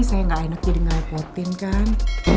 saya gak enak jadi ngeliputin kan